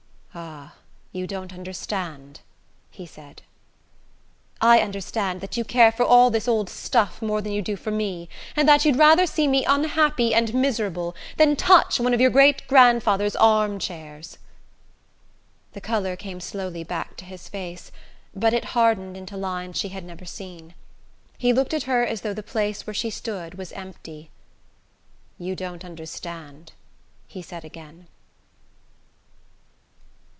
"Ah, you don't understand," he said. "I understand that you care for all this old stuff more than you do for me, and that you'd rather see me unhappy and miserable than touch one of your great grandfather's arm chairs." The colour came slowly back to his face, but it hardened into lines she had never seen. He looked at her as though the place where she stood were empty. "You don't understand," he said again.